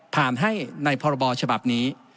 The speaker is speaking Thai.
ให้ในพรบฉบับนี้